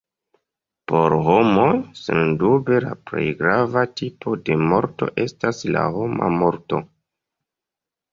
Por homoj, sendube la plej grava tipo de morto estas la homa morto.